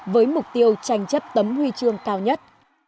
với mục tiêu tranh chấp tấm huy chương cao nhất